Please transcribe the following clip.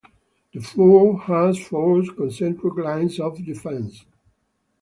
The fort has four concentric lines of defence.